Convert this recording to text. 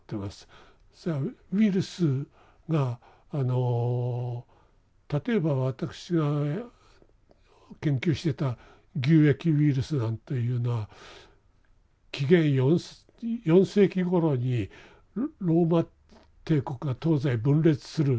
ウイルスがあの例えば私が研究してた牛疫ウイルスなんというのは紀元４世紀ごろにローマ帝国が東西分裂する。